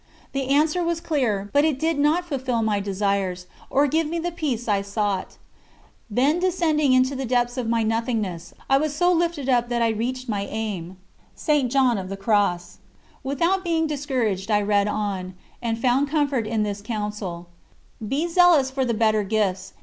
The answer was clear, but it did not fulfill my desires, or give to me the peace I sought. "Then descending into the depths of my nothingness, I was so lifted up that I reached my aim." Without being discouraged I read on, and found comfort in this counsel: "Be zealous for the better gifts.